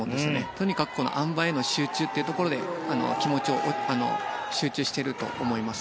とにかくあん馬への集中というところで気持ちを集中していると思います。